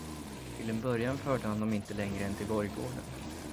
Till en början förde han dem inte längre än till borggården.